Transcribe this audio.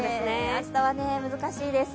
明日は難しいです。